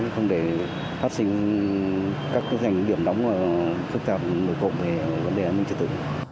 không để phát sinh các cơ hội điểm đóng phức tạp nổi cộng về vấn đề an ninh triệt tử